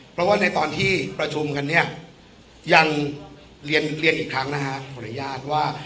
เพราะว่าในตอนที่ประชุมกันเนี่ยยังเรียนอีกครั้งนะฮะขออนุญาตว่า